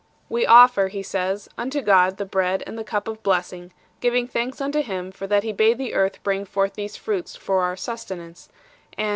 " We offer," he says, " unto God the bread and the cup of blessing, giving thanks unto Him for that He bade the earth bring forth these fruits for our sustenance ; and...